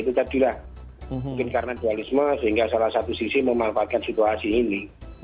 itu tadilah mungkin karena dualisme sehingga salah satu sisi memanfaatkan situasi ini